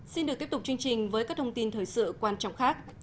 xin được tiếp tục chương trình với các thông tin thời sự quan trọng khác